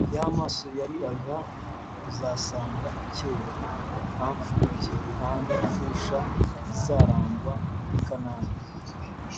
Ya maso yariraga uzasang’ akeye, Nta mpfubyi nta n’ impfusha bizarangw’ i Kanani.